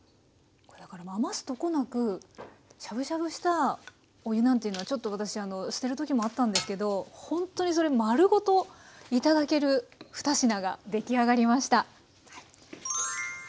余すとこなくしゃぶしゃぶしたお湯なんていうのはちょっと私捨てるときもあったんですけどほんとにそれ丸ごと頂ける２品が出来上がりました。